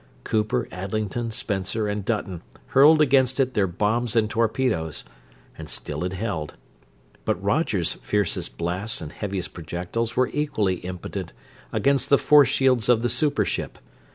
Cooper, Adlington, Spencer, and Dutton hurled against it their bombs and torpedoes and still it held. But Roger's fiercest blasts and heaviest projectiles were equally impotent against the force shields of the super ship.